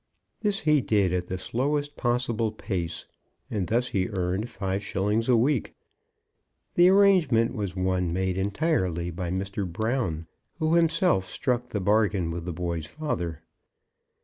This he did at the slowest possible pace, and thus he earned five shillings a week. The arrangement was one made entirely by Mr. Brown, who himself struck the bargain with the boy's father.